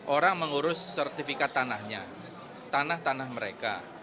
orang mengurus sertifikat tanahnya tanah tanah mereka